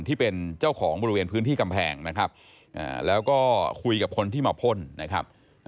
ที่เป็นเจ้าของบริเวณพื้นที่กำแพงนะครับแล้วก็คุยกับคนที่มาพ่นนะครับ